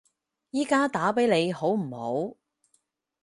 而家打畀你好唔好？